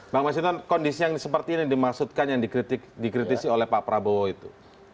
bang mas hinton kondisi yang seperti ini dimaksudkan yang dikritisi oleh pak prabowo itu